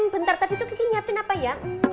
bentar tadi tuh kaki nyiapin apa ya